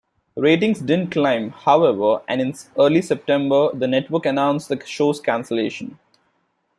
Ratings didn't climb, however, and in early September, the network announced the show's cancellation.